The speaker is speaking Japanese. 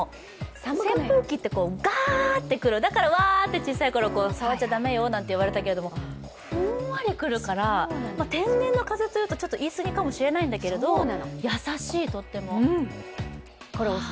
扇風機って、ガーッて来る、子供のころは触っちゃ駄目よなんて言われてたけど、ふんわり来るから天然の風と言うと言いすぎかもしれないけど、優しい、とっても。